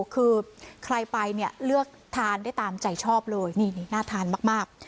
คือใครไปเนี่ยเลือกทานได้ตามใจชอบเลยนี่น่าทานมาก